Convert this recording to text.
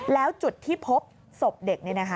แล้วจุดที่พบศพเด็ก